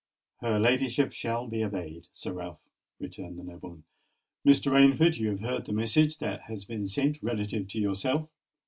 "Her ladyship shall be obeyed, Sir Ralph," returned the nobleman. "Mr. Rainford, you have heard the message that has been sent relative to yourself."